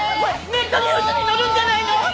ネットニュースに載るんじゃないの！？